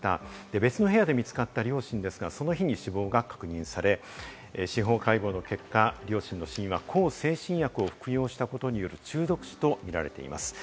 別の部屋で見つかった両親ですが、その日に死亡が確認され、司法解剖の結果、両親の死因は向精神薬を服用したことによる中毒死とみられています。